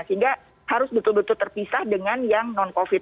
sehingga harus betul betul terpisah dengan yang non covid